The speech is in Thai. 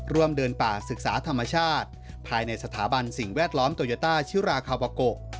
เดินป่าศึกษาธรรมชาติภายในสถาบันสิ่งแวดล้อมโตโยต้าชิราคาวาโก